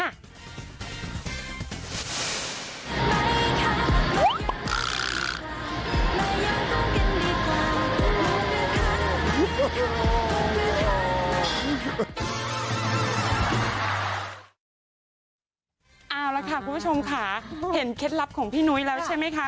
เอาละค่ะคุณผู้ชมค่ะเห็นเคล็ดลับของพี่นุ้ยแล้วใช่ไหมคะ